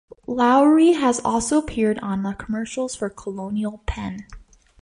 Lowery has also appeared on the commercials for Colonial Penn.